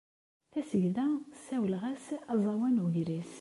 Tasegda ssawaleɣ-as aẓawan ugris.